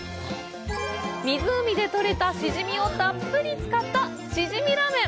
湖で取れたシジミをたっぷり使ったシジミラーメン。